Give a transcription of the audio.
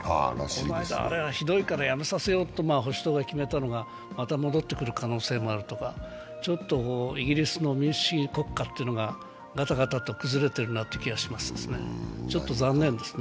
この間、あれはひどいからやめさせようと保守党が決めたのが、また戻ってくる可能性もあるとか、ちょっとイギリスの民主主義国家がガタガタと崩れてるなという気がしますね。